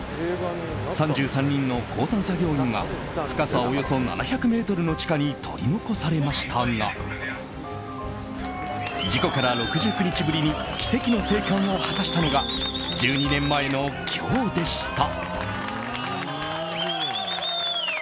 ３３人の鉱山作業員が深さおよそ７００ｍの地下に取り残されましたが事故から６９日ぶりに奇跡の生還を果たしたのが１２年前の今日でした。